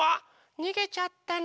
にげちゃったの。